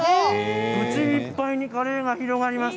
口いっぱいにカレーが広がります。